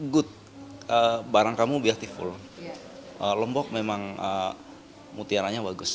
good barang kamu biasa full lombok memang mutiaranya bagus